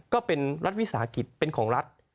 ก็เป็นรัฐวิสาหกิจเป็นของรัฐ